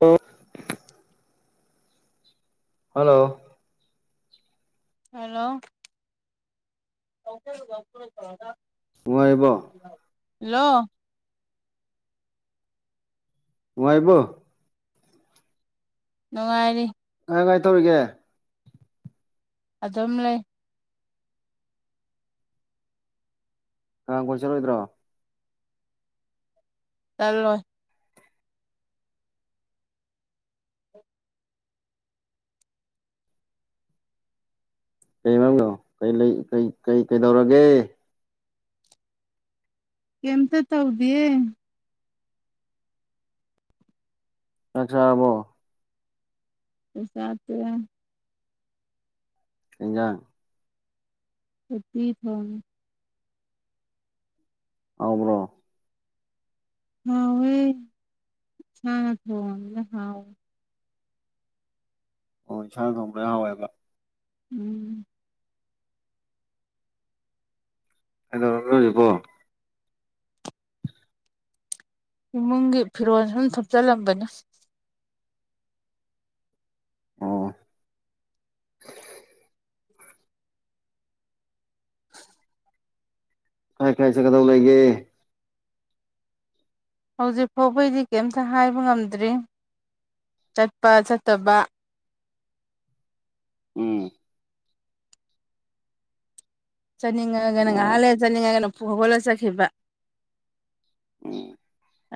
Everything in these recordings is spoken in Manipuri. ꯑꯣ ꯍꯜꯂꯣ ꯍꯜꯂꯣ ꯅꯨꯡꯉꯥꯏꯔꯤꯕꯣ ꯍꯜꯂꯣ ꯅꯨꯡꯉꯥꯏꯔꯤꯕꯣ ꯅꯨꯡꯉꯥꯏꯔꯤ ꯀꯃꯥꯏ ꯀꯃꯥꯏ ꯇꯧꯔꯤꯒꯦ ꯑꯗꯨꯝ ꯂꯩ ꯀꯔꯥꯡ ꯀꯣꯏ ꯆꯠꯂꯣꯏꯗ꯭ꯔꯣ ꯆꯜꯂꯣꯏ ꯀꯩ ꯃꯔꯝꯅꯣ ꯀꯩ ꯂꯩ ꯀꯩ ꯀꯩ ꯀꯩꯗꯧꯔꯒꯦ ꯀꯦꯝꯇ ꯇꯧꯗꯤꯌꯦ ꯆꯥꯛ ꯆꯥꯔꯕꯣ ꯆꯥꯛ ꯆꯥ ꯇꯣꯛꯑꯦ ꯀꯩ ꯖꯥꯡ ꯎꯇꯤ ꯊꯣꯡꯉꯦ ꯍꯥꯎꯕ꯭ꯔꯣ ꯍꯥꯎꯋꯦ ꯏꯁꯥꯅ ꯊꯣꯡꯉꯝꯅꯤꯅ ꯍꯥꯎꯋꯦ ꯑꯣ ꯏꯁꯥꯅ ꯊꯣꯡꯕꯩ ꯍꯥꯎꯋꯦꯕ ꯎꯝ ꯀꯩꯗꯧꯔꯕ ꯍꯧꯖꯤꯛꯄꯨ ꯏꯃꯨꯡꯒꯤ ꯐꯤꯔꯣꯜ ꯁꯨꯝ ꯊꯨꯞꯆꯜꯂꯝꯕꯅꯤ ꯑꯣ [inaudible] ꯀꯥꯏ ꯀꯥꯏ ꯆꯠꯀꯇꯧ ꯂꯩꯒꯦ ꯍꯧꯖꯤꯛ ꯐꯥꯎꯕꯩꯗꯤ ꯀꯩꯝꯇ ꯍꯥꯏꯕ ꯉꯝꯗ꯭ꯔꯤ ꯆꯠꯄ ꯆꯠꯇꯕ ꯎꯝ ꯆꯠꯅꯤꯡꯉꯒꯅ ꯑꯣ ꯉꯥꯏꯍꯥꯛ ꯎꯝ ꯂꯩ ꯆꯠꯅꯤꯡꯉꯒꯅ ꯐꯨꯛ ꯍꯧꯒꯠꯂ ꯆꯠꯈꯤꯕ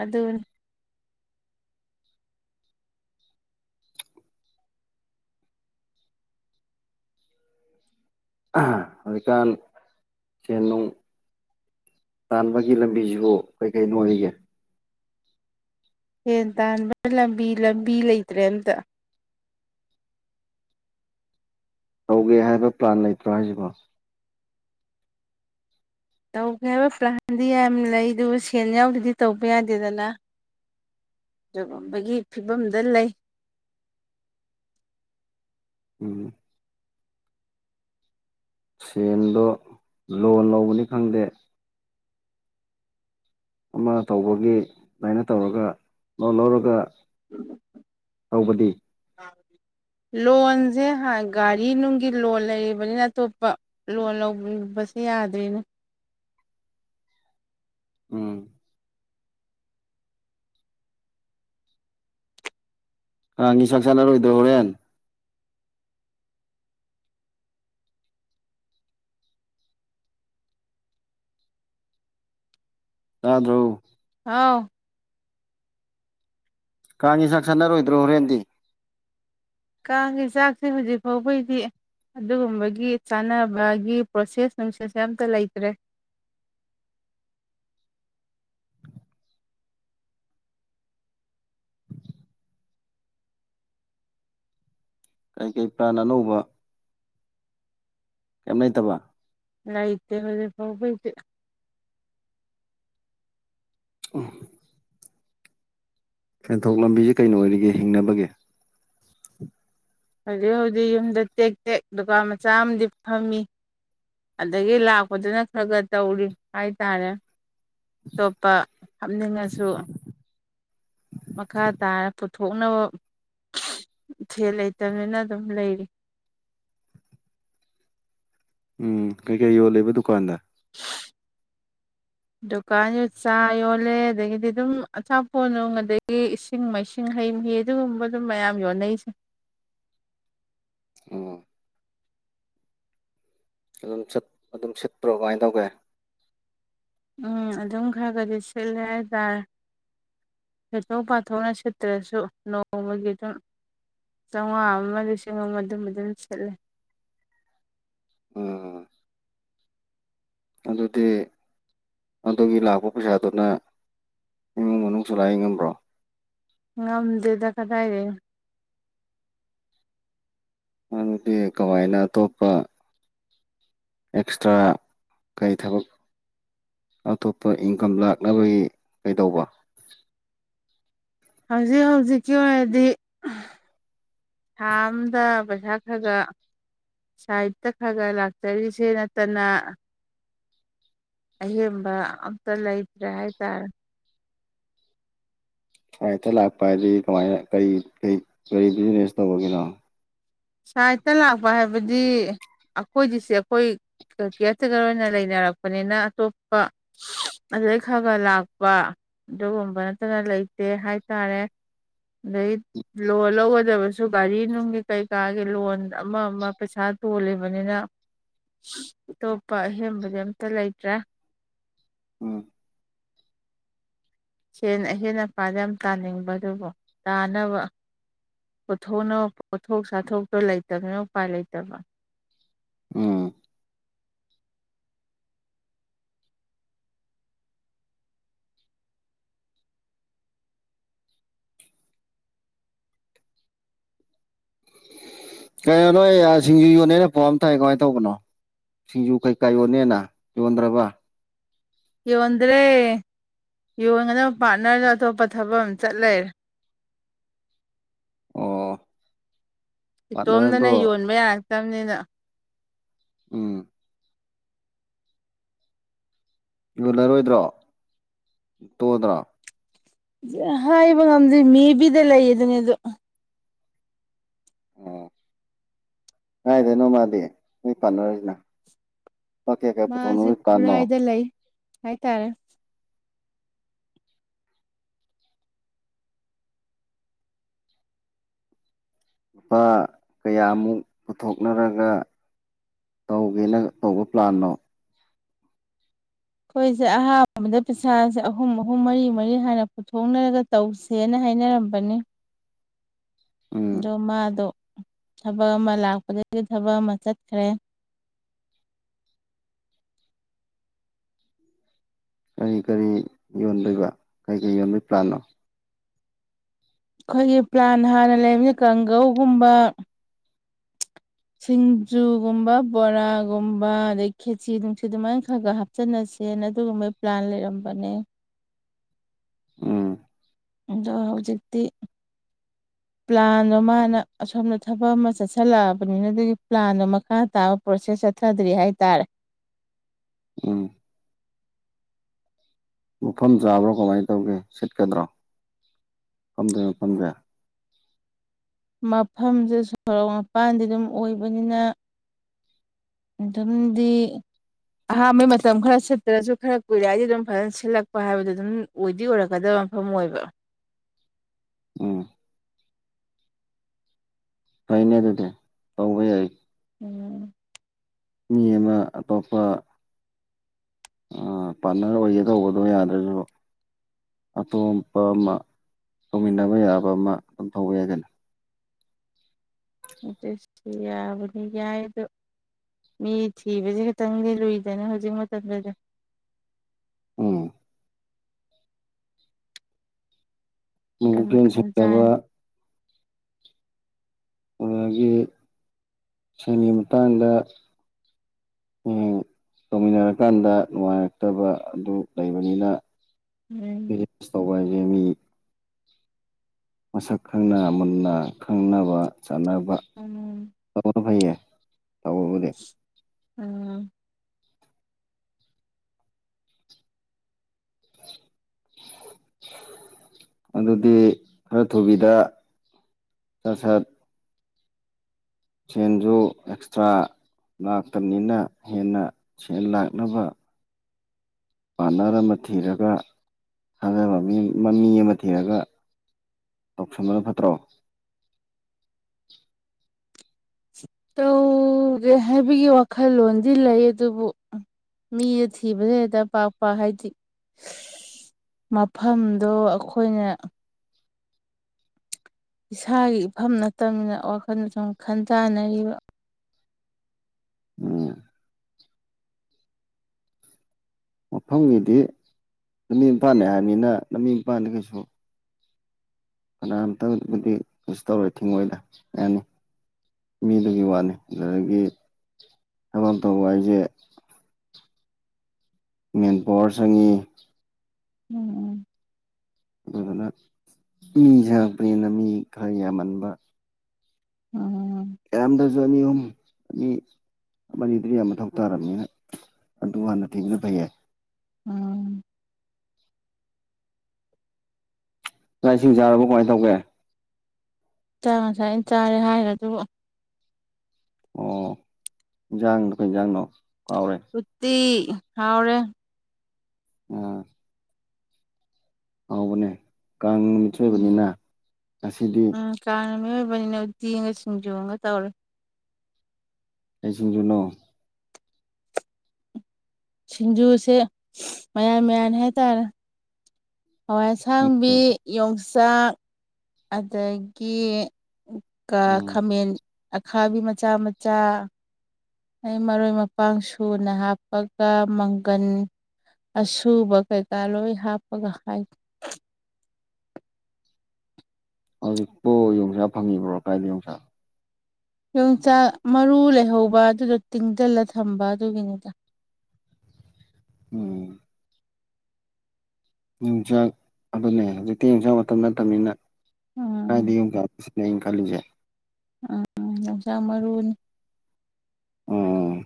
ꯑꯗꯨꯅꯤ ꯑꯥ ꯍꯧꯖꯤꯀꯥꯟ ꯁꯦꯟ ꯅꯨꯡ ꯇꯥꯟꯕꯒꯤ ꯂꯝꯕꯤꯁꯤꯕꯨ ꯀꯩ ꯀꯩꯅ ꯑꯣꯏꯔꯤꯒꯦ ꯁꯦꯟ ꯇꯥꯟꯕ ꯂꯝꯕꯤ ꯂꯝꯕꯤ ꯂꯩꯇ꯭ꯔꯦ ꯑꯝꯇ ꯇꯧꯒꯦ ꯍꯥꯏꯕ ꯄ꯭ꯂꯥꯟ ꯂꯩꯇ꯭ꯔꯣ ꯍꯥꯏꯁꯤꯕꯣ ꯇꯧꯒꯦ ꯍꯥꯏꯕ ꯄ꯭ꯂꯥꯟꯗꯤ ꯌꯥꯝ ꯂꯩ ꯑꯗꯨꯕꯨ ꯁꯦꯟ ꯌꯥꯎꯗꯔꯗꯤ ꯇꯧꯕ ꯌꯥꯗꯦꯗꯅ ꯑꯗꯨꯒꯨꯝꯕꯒꯤ ꯐꯤꯕꯝꯗ ꯂꯩ ꯎꯝ ꯁꯦꯟꯗꯣ ꯂꯣꯟ ꯂꯧꯕꯅꯤ ꯈꯪꯗꯦ ꯑꯃ ꯇꯧꯕꯒꯤ ꯑꯗꯨꯃꯥꯏꯅ ꯇꯧꯔꯒ ꯂꯣꯟ ꯂꯧꯔꯒ [inaudible] ꯇꯧꯕꯗꯤ ꯂꯣꯟꯁꯦ ꯍꯥꯟ ꯒꯥꯔꯤ ꯅꯨꯡꯒꯤ ꯂꯣꯟ ꯂꯩꯔꯤꯕꯅꯤꯅ ꯑꯇꯣꯞꯄ ꯂꯣꯟ ꯂꯧꯕꯁꯦ ꯌꯥꯗ꯭ꯔꯤꯅꯦ ꯎꯝ ꯀꯥꯡꯒꯤ ꯆꯥꯛ ꯆꯥꯟꯅꯔꯣꯏꯗꯔꯣ ꯍꯣꯔꯦꯟ ꯇꯥꯗ꯭ꯔꯣ ꯍꯥꯎ ꯀꯥꯡꯒꯤ ꯆꯥꯛ ꯆꯥꯅꯔꯣꯏꯗ꯭ꯔꯣ ꯍꯣꯔꯦꯟꯗꯤ ꯀꯥꯡꯒꯤ ꯆꯥꯛꯆꯦ ꯍꯨꯖꯤꯛ ꯐꯥꯎꯕꯩꯗꯤ ꯑꯗꯨꯒꯨꯝꯕꯒꯤ ꯆꯥꯟꯅꯕꯒꯤ ꯄ꯭ꯔꯣꯁꯦꯁ ꯅꯨꯡꯁꯦꯁꯁꯦ ꯑꯝꯇ ꯂꯩꯇ꯭ꯔꯦ ꯀꯩ ꯀꯩ ꯄ꯭ꯂꯥꯟ ꯑꯅꯧꯕ ꯀꯩꯝ ꯂꯩꯇꯕ ꯂꯩꯇꯦ ꯍꯨꯖꯤꯛ ꯐꯥꯎꯕꯩꯗꯤ ꯎꯝ ꯁꯦꯟꯊꯣꯛ ꯂꯝꯕꯤꯁꯦ ꯀꯩꯅ ꯑꯣꯏꯔꯤꯒꯦ ꯍꯤꯡꯅꯕꯒꯤ ꯍꯧꯖꯤꯛ ꯍꯧꯖꯤꯛ ꯌꯨꯝꯗ ꯇꯦꯛ ꯇꯦꯛ ꯗꯨꯀꯥꯟ ꯃꯆꯥ ꯑꯃꯗꯤ ꯐꯝꯃꯤ ꯑꯗꯒꯤ ꯂꯥꯛꯄꯗꯨꯅ ꯈꯔ ꯈꯔ ꯇꯧꯔꯤ ꯍꯥꯏꯇꯥꯔꯦ ꯑꯇꯣꯞꯄ ꯍꯥꯞꯅꯤꯡꯉꯁꯨ ꯃꯈꯥ ꯇꯥꯅ ꯄꯨꯊꯣꯛꯅꯕ ꯁꯦꯜ ꯂꯩꯇꯕꯅꯤꯅ ꯑꯗꯨꯝ ꯂꯩꯔꯤ ꯎꯝ ꯀꯩ ꯀꯩ ꯌꯣꯜꯂꯤꯕ ꯗꯨꯀꯥꯟꯗ ꯗꯨꯀꯥꯟꯁꯦ ꯆꯥ ꯌꯣꯜꯂꯦ ꯑꯗꯒꯤꯗꯤ ꯑꯗꯨꯝ ꯑꯆꯥꯄꯣꯠ ꯅꯨꯡ ꯑꯗꯒꯤ ꯏꯁꯤꯡ ꯏꯁꯤꯡ ꯃꯥꯏꯁꯤꯡ ꯍꯩ ꯃꯍꯤ ꯑꯗꯨꯒꯨꯝꯕꯗꯨꯝ ꯃꯌꯥꯝ ꯌꯣꯟꯅꯩꯁꯦ ꯑꯣ ꯑꯗꯨꯝ ꯆꯠ ꯑꯗꯨꯝ ꯁꯤꯠꯄ꯭ꯔꯣ ꯀꯃꯥꯏ ꯇꯧꯒꯦ ꯎꯝ ꯑꯗꯨꯝ ꯈꯔ ꯈꯗꯤ ꯁꯤꯠꯂꯦ ꯍꯥꯏ ꯇꯥ ꯍꯦꯇꯣꯛ ꯄꯥꯊꯣꯛꯅ ꯁꯤꯠꯇ꯭ꯔꯁꯨ ꯅꯣꯡꯃꯒꯤ ꯗꯨꯝ ꯆꯧꯉꯥ ꯃ ꯂꯤꯁꯤꯡ ꯑꯃ ꯑꯗꯨꯝ ꯕꯨꯗꯤ ꯁꯤꯠꯂꯦ ꯎꯝ ꯑꯗꯨꯗꯤ ꯑꯗꯨꯒꯤ ꯂꯥꯛꯄ ꯄꯩꯁꯥꯗꯨꯅ ꯏꯃꯨꯡ ꯃꯅꯨꯡ ꯆꯂꯥꯏ ꯉꯝꯕ꯭ꯔꯣ ꯉꯝꯗꯦꯗ ꯀꯗꯥꯏꯗꯩꯅꯣ ꯑꯗꯨꯗꯤ ꯀꯃꯥꯏꯅ ꯑꯇꯣꯞꯄ ꯑꯦꯛꯁꯇ꯭ꯔꯥ ꯀꯩ ꯊꯕꯛ ꯑꯇꯣꯞꯄ ꯏꯪꯀꯝ ꯂꯥꯛꯅꯕꯒꯤ ꯀꯩ ꯗꯧꯕ ꯍꯧꯖꯤꯛ ꯍꯧꯖꯤꯛꯀꯤ ꯑꯣꯏꯔꯗꯤ ꯊꯥ ꯑꯝꯗ ꯄꯩꯁꯥ ꯈꯒ ꯁꯥꯏꯠꯇ ꯈꯒ ꯂꯥꯛꯆꯔꯤꯖꯦ ꯅꯠꯇꯅ ꯑꯍꯦꯟꯕ ꯑꯝꯇ ꯂꯩꯇ꯭ꯔꯦ ꯍꯥꯏ ꯇꯥꯔꯦ ꯁꯥꯏꯠꯇ ꯂꯥꯛꯄ ꯍꯥꯏꯗꯤ ꯀꯃꯥꯏꯅ ꯀꯩ ꯀꯔꯤ ꯀꯔꯤ ꯕꯤꯖꯤꯅꯦꯁ ꯇꯧꯕꯒꯤꯅꯣ ꯁꯥꯏꯠꯇ ꯂꯥꯛꯄ ꯍꯥꯏꯕꯗꯤ ꯑꯈꯣꯏꯒꯤꯁꯦ ꯑꯈꯣꯏ ꯀ ꯀ꯭ꯌꯥꯔꯇꯦꯀꯔ ꯑꯣꯏꯅ ꯂꯩꯅꯔꯛꯄꯅꯤꯅ ꯑꯇꯣꯞꯄ ꯑꯗꯨꯗꯩ ꯈꯒ ꯂꯥꯛꯄ ꯑꯗꯨꯒꯨꯝꯕ ꯅꯠꯇꯅ ꯂꯩꯇꯦ ꯍꯥꯏ ꯇꯥꯔꯦ ꯑꯗꯩ ꯂꯣꯜ ꯂꯧꯒꯗꯕꯖꯨ ꯒꯥꯔꯤ ꯅꯨꯡꯒꯤ ꯀꯩ ꯀꯥꯒꯤ ꯂꯣꯟ ꯑꯃ ꯃ ꯄꯩꯁꯥ ꯇꯣꯜꯂꯤꯕꯅꯤꯅ ꯇꯣꯞꯄ ꯑꯍꯦꯟꯕꯖꯦ ꯑꯝꯇ ꯂꯩꯇ꯭ꯔꯦ ꯎꯝ ꯁꯦꯟ ꯑꯍꯦꯟ ꯑꯄꯥꯥꯗꯤ ꯌꯥꯝ ꯇꯥꯅꯤꯡꯕꯗꯨꯕꯨ ꯇꯥꯅꯕ ꯄꯨꯊꯣꯛꯅꯕ ꯄꯣꯠꯊꯣꯛ ꯆꯥꯊꯣꯛꯇꯣ ꯂꯩꯇꯅꯤꯅ ꯎꯄꯥꯏ ꯂꯩꯇꯕ ꯎꯝ ꯀꯦ ꯅꯣꯏ ꯑ ꯁꯤꯡꯖꯨ ꯌꯣꯟꯅꯦꯅ ꯄꯥꯎ ꯑꯝ ꯇꯥꯏ ꯀꯃꯥꯏ ꯇꯧꯕꯅꯣ ꯁꯤꯡꯖꯨ ꯀꯩꯀꯥ ꯌꯣꯟꯅꯦꯅ ꯌꯣꯟꯗ꯭ꯔꯕ ꯌꯣꯟꯗ꯭ꯔꯦ ꯌꯣꯟꯒꯗꯕ ꯄꯥꯔꯠꯅꯔꯗꯣ ꯑꯇꯣꯞꯄ ꯊꯕꯛ ꯑꯝ ꯆꯠ ꯂꯩꯔꯦ ꯑꯣ ꯏꯇꯣꯝꯗꯅ ꯄꯥꯔꯠꯅꯔꯗꯣ ꯌꯣꯟꯕ ꯌꯥꯔꯛꯇꯝꯅꯤꯅ ꯎꯝ ꯌꯣꯜꯂꯔꯣꯏꯗ꯭ꯔꯣ ꯇꯣꯛꯑꯗ꯭ꯔꯣ ꯑ ꯍꯥꯏꯕ ꯉꯝꯗꯦ ꯃꯦꯕꯤꯗ ꯂꯩꯌꯦꯗꯨꯅꯦ ꯑꯗꯣ ꯑꯣ ꯀꯥꯏꯗꯩꯅꯣ ꯃꯥꯗꯤ ꯅꯣꯏ ꯄꯥꯠꯅꯔꯖꯤꯅ ꯄꯥ ꯀꯌꯥ ꯀꯌꯥ ꯄꯨꯊꯣꯛꯅꯕꯩ ꯄ꯭ꯂꯥꯟꯅꯣ ꯍꯥꯏ ꯇꯥꯔꯦ ꯂꯨꯄꯥ ꯀꯌꯥꯃꯨꯛ ꯄꯨꯊꯣꯛꯅꯔꯒ ꯇꯧꯒꯦꯅ ꯇꯧꯕ ꯄ꯭ꯂꯥꯟꯅꯣ ꯑꯩꯈꯣꯏꯁꯦ ꯑꯍꯥꯟꯕꯗ ꯄꯩꯁꯥꯁꯦ ꯑꯍꯨꯝ ꯑꯍꯨꯝ ꯃꯔꯤ ꯃꯔꯤ ꯍꯥꯏꯅ ꯄꯨꯊꯣꯛꯅꯔꯒ ꯇꯧꯁꯦꯅ ꯍꯥꯏꯅꯔꯝꯕꯅꯤ ꯎꯝ ꯑꯗꯣ ꯃꯥꯗꯣ ꯊꯕꯛ ꯑꯃ ꯂꯥꯛꯄꯗꯒꯤ ꯊꯕꯛ ꯑꯃ ꯆꯠꯈ꯭ꯔꯦ ꯀꯔꯤ ꯀꯔꯤ ꯌꯣꯟꯗꯣꯏꯕ ꯀꯔꯤ ꯀꯔꯤ ꯌꯣꯟꯕꯣꯏ ꯄ꯭ꯂꯥꯟꯅꯣ ꯑꯩꯈꯣꯏꯒꯤ ꯄ꯭ꯂꯥꯟ ꯍꯥꯟꯅ ꯂꯩꯝꯅ ꯀꯥꯡꯒꯧꯒꯨꯝꯕ [inaudible] ꯁꯤꯡꯖꯨꯒꯨꯝꯕ ꯕꯣꯔꯥꯒꯨꯝꯕ ꯑꯗꯩ ꯈꯦꯆꯤ ꯅꯨꯡꯁꯤꯠ ꯑꯃꯥꯏꯅ ꯈꯒ ꯍꯥꯞ ꯆꯟꯅꯁꯦꯅ ꯑꯗꯨꯒꯨꯝꯕꯩ ꯄ꯭ꯂꯥꯟ ꯂꯩꯔꯝꯕꯅꯦ ꯎꯝ ꯑꯗꯣ ꯍꯧꯖꯤꯛꯇꯤ [inaudible] ꯄ꯭ꯂꯥꯟꯗꯣ ꯃꯥꯅ ꯑꯁꯣꯝꯗ ꯊꯕꯛ ꯑꯃ ꯆꯠꯁꯜꯂꯛꯑꯕꯅꯤꯅ ꯑꯗꯨꯒꯤ ꯄ꯭ꯂꯥꯟꯗꯣ ꯃꯈꯥ ꯇꯥꯕ ꯄ꯭ꯔꯣꯁꯦꯁ ꯆꯠꯊꯗ꯭ꯔꯤ ꯍꯥꯏꯇꯥꯔꯦ ꯎꯝ ꯃꯐꯝ ꯆꯥꯕ꯭ꯔꯣ ꯀꯃꯥꯏ ꯇꯧꯒꯦ ꯁꯤꯠꯀꯗ꯭ꯔꯣ ꯐꯝꯗꯣꯏ ꯃꯐꯝꯖꯦ ꯃꯐꯝꯖꯦ ꯁꯣꯔꯣꯛ ꯃꯄꯥꯟꯗꯤ ꯗꯨꯝ ꯑꯣꯏꯕꯅꯤꯅ ꯑꯗꯨꯝꯗꯤ ꯑꯍꯥꯟꯕꯩ ꯃꯇꯝ ꯈꯔ ꯁꯤꯠꯇ꯭ꯔꯁꯨ ꯈꯔ ꯀꯨꯏꯔꯛꯑꯗꯤ ꯑꯗꯨꯝ ꯐꯖꯅ ꯁꯤꯠꯂꯛꯄ ꯍꯥꯏꯕꯗꯨ ꯑꯗꯨꯝ ꯑꯣꯏꯗꯤ ꯑꯣꯏꯔꯛꯀꯗꯕ ꯃꯐꯝ ꯑꯣꯏꯕ ꯎꯝ ꯐꯩꯅꯦ ꯑꯗꯨꯗꯤ ꯇꯧꯕ ꯌꯥꯏ ꯎꯝ ꯃꯤ ꯑꯃ ꯑꯇꯣꯞꯄ ꯑ ꯄꯥꯔꯠꯅꯔ ꯑꯣꯏꯒꯦ ꯇꯧꯕꯗꯣ ꯌꯥꯗ꯭ꯔꯁꯨ ꯑꯇꯣꯞꯄ ꯑꯃ ꯇꯧꯃꯤꯟꯅꯕ ꯌꯥꯕ ꯑꯃ ꯑꯗꯨꯝ ꯇꯧꯕ ꯌꯥꯏ ꯀꯩꯅꯣ ꯑꯗꯨꯁꯨ ꯌꯥꯕꯅꯤ ꯌꯥꯏ ꯑꯗꯣ ꯃꯤ ꯊꯤꯕꯁꯦ ꯈꯤꯇꯪꯗꯤ ꯂꯨꯏꯗꯅ ꯍꯧꯖꯤꯛ ꯃꯇꯝꯗꯗꯤ ꯑꯣ ꯑꯗꯨꯅ [unintelligible] ꯈꯟ ꯇꯥꯏ ꯁꯤꯠꯇꯕ ꯑꯗꯨꯗꯒꯤ ꯁꯟꯒꯤ ꯃꯇꯥꯡꯗ ꯎꯝ ꯇꯧꯃꯤꯟꯅꯔꯀꯥꯟꯗ ꯅꯨꯡꯉꯥꯏꯔꯛꯇꯕ ꯑꯗꯨ ꯂꯩꯕꯅꯤꯅ ꯎꯝ ꯕꯤꯖꯤꯅꯦꯁ ꯇꯧꯕ ꯍꯥꯏꯁꯦ ꯃꯤ ꯃꯁꯛ ꯈꯪꯅ ꯃꯨꯟꯅ ꯈꯪꯅꯕ ꯆꯥꯟꯅꯕ ꯎꯝ [unintelligible] ꯐꯩꯌꯦ ꯇꯧꯕꯗꯤ ꯑꯝ [inaudible] ꯑꯗꯨꯗꯤ ꯈꯔ ꯊꯨꯕꯤꯗ ꯁꯠ ꯁꯠ ꯁꯦꯟꯁꯨ ꯑꯦꯛꯁꯇ꯭ꯔꯥ ꯂꯥꯛꯇꯝꯅꯤꯅ ꯍꯦꯟꯅ ꯁꯦꯟ ꯂꯥꯛꯅꯕ ꯄꯥꯔꯠꯅꯔ ꯑꯃ ꯊꯤꯔꯒ ꯈꯪꯅꯕ ꯃꯤ ꯑꯃ ꯊꯤꯔꯒ ꯇꯧꯁꯟꯕꯅ ꯐꯠꯇ꯭ꯔꯣ ꯇꯧꯒꯦ ꯍꯥꯏꯕꯒꯤ ꯋꯥꯈꯜꯂꯣꯟꯗꯤ ꯂꯩ ꯑꯗꯨꯕꯨ ꯃꯤꯖꯦ ꯊꯤꯕꯖꯦ ꯍꯦꯛꯇ ꯄꯥꯛ ꯄꯥꯛ ꯍꯥꯏꯗꯤ ꯃꯐꯝꯗꯣ ꯑꯩꯈꯣꯏꯅ ꯏꯁꯥꯒꯤ ꯏꯐꯝ ꯅꯠꯇꯝꯅꯤꯅ ꯋꯥꯈꯜꯁꯨ ꯁꯨꯝ ꯈꯟ ꯖꯥꯟꯅꯔꯤꯕ ꯎꯝ ꯃꯐꯝꯒꯤꯗꯤ ꯂꯝꯕꯤ ꯃꯄꯥꯟꯅꯤ ꯍꯥꯏꯔꯃꯤꯅ ꯂꯝꯃꯤ ꯃꯄꯥꯟꯗ ꯀꯩꯁꯨ ꯀꯅꯥꯝꯇꯕꯨꯗꯤꯨ ꯀꯩꯁꯨ ꯇꯧꯔꯣꯏꯗ ꯊꯤꯡꯉꯛꯑꯣꯏꯗ ꯌꯥꯅꯤ ꯃꯤꯗꯨꯒꯤ ꯋꯥꯅꯤ ꯑꯗꯒꯤ ꯊꯕꯛ ꯑꯃ ꯇꯧꯕ ꯍꯥꯏꯁꯦ ꯃꯦꯟ ꯄꯋꯥꯔ ꯆꯪꯉꯤ ꯎꯝ ꯑꯗꯨꯗꯨꯅ ꯃꯤ [unintelligible] ꯃꯤ ꯈꯔ ꯌꯥꯝꯍꯟꯕ ꯎꯝ [unintelligible] ꯅꯪꯒꯤꯗꯤ ꯌꯥꯝ ꯃꯊꯧ ꯇꯥꯔꯕꯅꯤꯅ ꯑꯗꯨ ꯍꯥꯟꯅ ꯊꯤꯕꯅ ꯐꯩꯌꯦ ꯎꯝ ꯆꯥꯛ ꯏꯁꯤꯡ ꯆꯥꯔꯕꯣ ꯀꯃꯥꯏꯅ ꯇꯧꯒꯦ ꯆꯥ ꯉꯁꯥꯏꯅ ꯆꯥꯔꯦ ꯍꯥꯏꯈ꯭ꯔꯗꯨꯕꯨ ꯑꯣ ꯏꯟꯖꯥꯡꯗ ꯀꯣꯏ ꯏꯟꯖꯥꯡꯅꯣ ꯀꯥꯎꯔꯦ ꯀꯠꯇꯤ ꯍꯥꯎꯔꯦ ꯎꯝ ꯍꯥꯎꯕꯅꯦ ꯀꯥꯡ ꯎꯝ ꯑꯣꯏꯕꯅꯤꯅ ꯉꯁꯤꯗꯤ ꯎꯝ ꯀꯥꯡꯅ ꯃꯤꯑꯣꯏꯕꯅꯤꯅ ꯎꯇꯤꯒ ꯁꯤꯡꯖꯨꯉꯒ ꯇꯧꯔꯦ ꯀꯩ ꯁꯤꯡꯖꯨꯅꯣ ꯁꯤꯡꯖꯨꯁꯦ ꯃꯌꯥꯟ ꯃꯌꯥꯟ ꯍꯥꯏꯇꯥꯔꯦ ꯍꯋꯥꯏ ꯑꯁꯥꯡꯕꯤ ꯎꯝ ꯌꯣꯡꯆꯥꯛ ꯑꯗꯒꯤ ꯀ ꯎꯝ ꯈꯥꯃꯦꯟ ꯑꯈꯥꯕꯤ ꯃꯆꯥ ꯃꯆꯥ ꯑꯩ ꯃꯔꯣꯏ ꯃꯄꯥꯡ ꯁꯨꯅ ꯍꯥꯞꯄꯒ ꯃꯪꯒꯟ ꯑꯁꯨꯕ ꯀꯩꯀꯥ ꯂꯣꯏ ꯍꯥꯞꯄꯒ ꯍꯥꯏ ꯍꯧꯖꯤꯛꯄꯨ ꯌꯣꯡꯁꯥ ꯐꯪꯉꯤꯕ꯭ꯔꯣ ꯀꯥꯏꯗ ꯌꯣꯡꯆꯥꯛ ꯌꯣꯡꯆꯥꯛ ꯃꯔꯨ ꯂꯩꯍꯧꯕ ꯑꯗꯨꯗꯣ ꯇꯤꯡꯖꯜꯂ ꯊꯝꯕ ꯑꯗꯨꯒꯤꯅꯤꯗ ꯎꯝ ꯌꯣꯡꯆꯥꯛ ꯑꯗꯨꯅꯦ ꯍꯧꯖꯤꯛꯇꯤ ꯌꯣꯡꯆꯥꯛ ꯃꯇꯝ ꯅꯠꯇꯝꯅꯤꯅ ꯀꯥꯏꯗ ꯎꯝ ꯌꯣꯡꯆꯥꯛ ꯅꯦ ꯈꯜꯂꯤꯁꯦ ꯎꯝ ꯌꯣꯆꯥꯛ ꯃꯔꯨꯅꯤ ꯎꯝ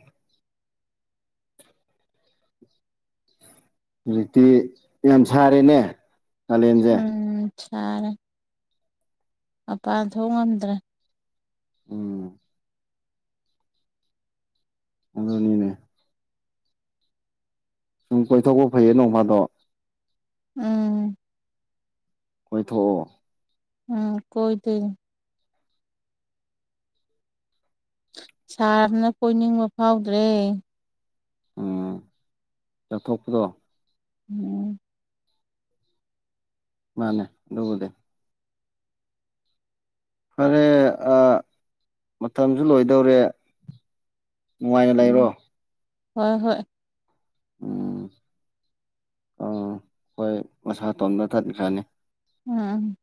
ꯍꯧꯖꯤꯛꯇꯤ ꯌꯥꯝ ꯁꯥꯔꯦꯅꯦ ꯀꯥꯂꯦꯟꯁꯦ ꯎꯝ ꯁꯥꯔꯦ ꯃꯄꯥꯟ ꯊꯣꯛ ꯉꯝꯗ꯭ꯔꯦ ꯎꯝ ꯑꯗꯨꯅꯤꯅꯦ ꯁꯨꯝ ꯀꯣꯏꯊꯣꯛꯄ ꯐꯩꯌꯦ ꯅꯣꯡ ꯃꯥꯗꯣ ꯎꯝ ꯀꯣꯏꯊꯣꯛꯑꯣ ꯎꯝ ꯀꯣꯏꯗꯨꯅꯤ ꯁꯥꯔꯅꯤꯅ ꯀꯣꯏꯅꯤꯡꯕ ꯐꯥꯎꯗ꯭ꯔꯦ ꯎꯝ ꯆꯥꯎꯊꯣꯛꯄꯗꯣ ꯎꯝ ꯃꯥꯅꯦ ꯑꯗꯨꯕꯨꯗꯤ ꯐꯔꯦ ꯑꯥ ꯃꯇꯝꯁꯨ ꯂꯣꯏꯗꯧꯔꯦ ꯅꯨꯡꯉꯥꯏꯅ ꯂꯩꯔꯣ ꯎꯝ ꯍꯣꯏ ꯍꯣꯏ ꯎꯝ ꯑꯥ ꯍꯣꯏ ꯃꯁꯥ ꯇꯣꯟꯕ ꯊꯠꯈꯅꯤ ꯎꯝ